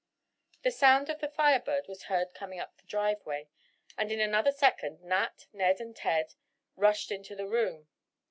The sound of the Fire Bird was heard coming up the driveway, and in another second Nat, Ned and Ted rushed into the room.